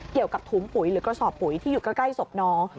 เกี่ยวกับถุงปุ๋ยหรือกระสอบปุ๋ยที่อยู่ใกล้ศพน้อง